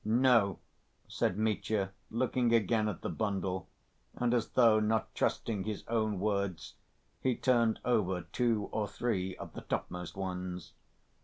"No," said Mitya, looking again at the bundle, and as though not trusting his own words he turned over two or three of the topmost ones.